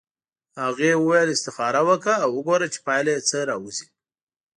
هغې وویل استخاره وکړه او وګوره چې پایله یې څه راوځي.